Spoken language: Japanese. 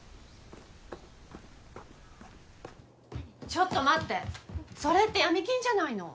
ちょっと待ってそれって闇金じゃないの。